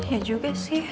ya juga sih